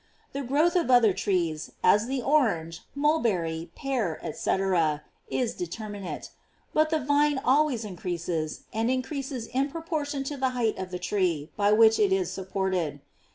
The growth of other trees, as the orange, mulberry, pear, &c., is determinate, but the vine always increases, and increases in proportion to the height of the tree by which it is supported.